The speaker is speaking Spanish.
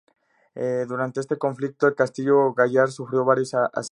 Durante este conflicto el Castillo-Gaillard sufrió varios asedios.